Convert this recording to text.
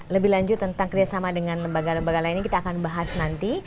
lebih lanjut tentang kerjasama dengan lembaga lembaga lainnya kita akan bahas nanti